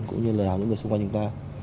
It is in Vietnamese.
cũng như lửa đảo những người xung quanh chúng ta